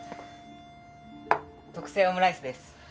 「特製オムライス」です